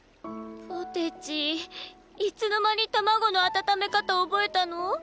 ポテチいつの間に卵の温め方覚えたの？